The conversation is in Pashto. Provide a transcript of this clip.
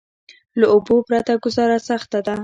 له اوبو پرته ګذاره سخته ده.